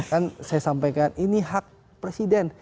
kan saya sampaikan ini hak presiden